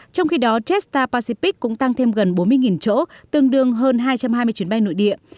trong khi đó jetstar pacific cũng tăng thêm gần bốn mươi chỗ tương đương hơn hai trăm hai mươi chuyến bay nội địa